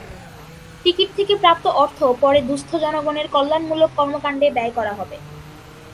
Ticket থেকে প্রাপ্ত অর্থ পরে দুস্থ জনগণের কল্যাণমূলক কর্মকাণ্ডে ব্যয় করা হবে।